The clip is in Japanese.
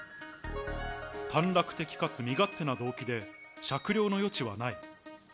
短絡的かつ身勝手な動機で、酌量の余地はない。